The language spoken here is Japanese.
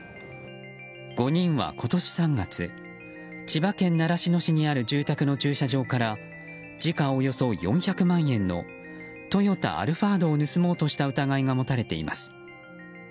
５人は今年３月千葉県習志野市にある住宅の駐車場から時価およそ４００万円のトヨタ、アルファードを盗もうとした疑いが持たれています。